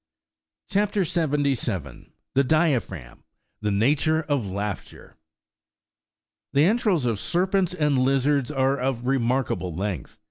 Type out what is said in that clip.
84 CHAP. 77. — THE DIAPHRAGM. THE NATURE OP LAUGHTER. The entrails of serpents and lizards are of remarkable length.